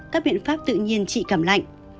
các biện pháp tự nhiên trị cảm lạnh